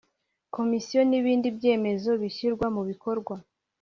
Komisiyo n ibindi byemezo bishyirwa mubikorwa